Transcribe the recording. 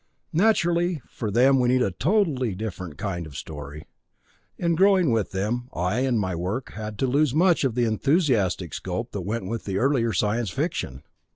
Naturally, for them we need a totally different kind of story. In growing with them, I and my work had to lose much of the enthusiastic scope that went with the earlier science fiction.